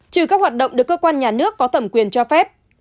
trừ các hoạt động được cơ quan nhà nước có thẩm quyền cho phép